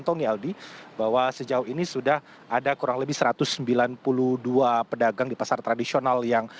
tony aldi bahwa sejauh ini sudah ada kurang lebih satu ratus sembilan puluh dua pedagang di pasar tradisional yang